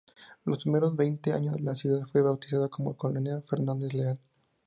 Los primeros veinte años la ciudad fue bautizada como Colonia Fernández Leal.